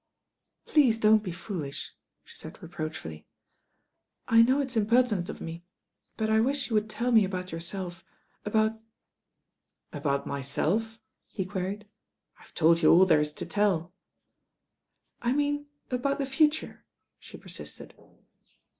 ^ "Please don't be foolish," she said reproachfully. 1 know It s impertinent of me ; but I wish you would tell me about yourself, about " "About myself?" he queried. "I've told you aU there is to tell." ^ "I mean about the future," she persisted.